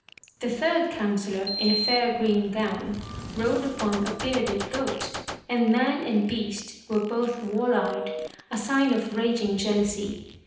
The third counsellor in a fair green gown, rode upon a bearded goat, and man and beast were both wall eyed, a sign of raging jealousy.